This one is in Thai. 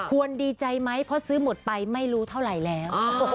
ดีใจไหมเพราะซื้อหมดไปไม่รู้เท่าไหร่แล้ว